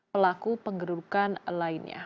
pelaku penggerudukan lainnya